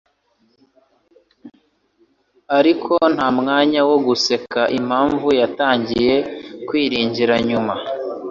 Ariko nta mwanya wo guseka 'impamvu yatangiye kwiringira nyuma,